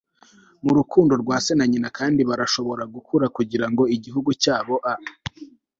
mu rukundo rwa se na nyina kandi barashobora gukura kugirango igihugu cyabo a